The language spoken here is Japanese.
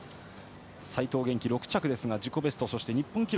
齋藤元希、６着ですが自己ベストそして日本記録